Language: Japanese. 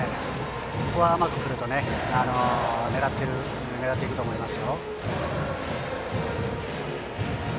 ここは甘く来ると狙っていいと思います。